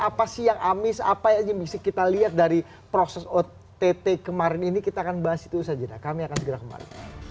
apa sih yang amis apa yang bisa kita lihat dari proses ott kemarin ini